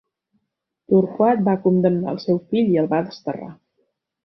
Torquat va condemnar al seu fill i el va desterrar.